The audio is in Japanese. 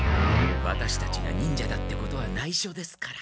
ワタシたちが忍者だってことはないしょですから。